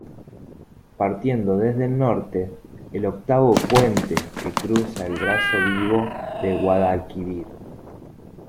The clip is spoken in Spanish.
Partiendo desde el norte, el octavo puente que cruza el brazo vivo del Guadalquivir.